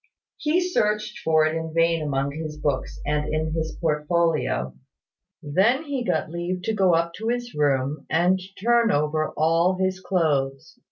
He searched for it in vain among his books and in his portfolio. Then he got leave to go up to his room, and turn over all his clothes.